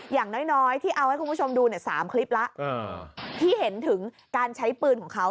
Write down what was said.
อย่างน้อยที่เอาให้คุณคุณผู้ชมดูเนี่ยสามคลิปละไปเห็นถึงการใช้ปืนของเขา